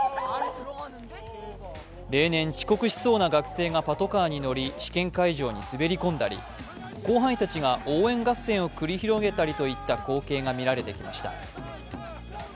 例年、遅刻しそうな学生がパトカーに乗り試験会場に滑り込んだり、後輩たちが応援合戦を繰り広げたりといった光景が見られてきました。